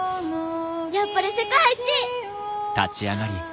やっぱり世界一！